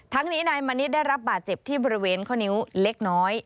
นี้นายมณิชย์ได้รับบาดเจ็บที่บริเวณข้อนิ้วเล็กน้อย